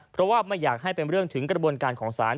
เพราะว่าไม่อยากให้เป็นเรื่องถึงกระบวนการของศาล